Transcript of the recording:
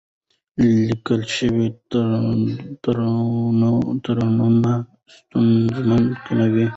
لیکل شوي تړونونه ستونزې کموي.